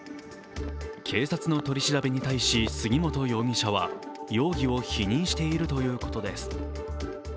警察の取り調べに対し杉本容疑者は容疑を否認しているということです。